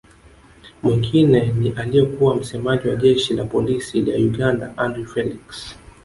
Mwingine ni aliyekuwa msemaji wa Jeshi la Polisi la Uganda Andrew Felix